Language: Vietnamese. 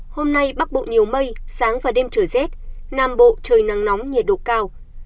hôm nay bắc bộ nhiều mây sáng và đêm trời rét nam bộ trời nắng nóng nhiệt độ cao